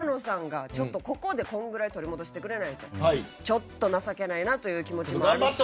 あの岡野さんがここでこれぐらい取り戻してくれないとちょっと情けないなという気持ちもあるし。